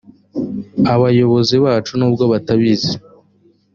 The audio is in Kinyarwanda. abayobozi bacu nubwo batabizi